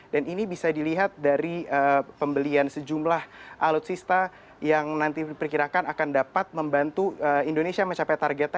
ini bisa dilihat dari pembelian sejumlah alutsista yang nanti diperkirakan akan dapat membantu indonesia mencapai targetnya